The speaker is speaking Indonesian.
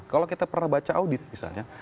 kalau kita pernah baca audit misalnya